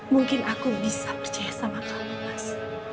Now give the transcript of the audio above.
mungkin aku bisa percaya sama kamu mas